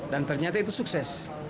dan ternyata itu sukses